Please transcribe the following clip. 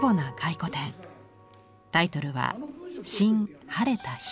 タイトルは「新・晴れた日」。